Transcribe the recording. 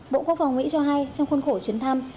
bộ quốc phòng mỹ cho hay trong khuôn khổ chuyến thăm